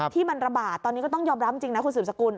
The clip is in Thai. ที่มันระบาดตอนนี้ก็ต้องยอมรับจริงนะคุณสืบสกุล